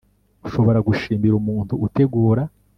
ushobora gushimira umuntu utegura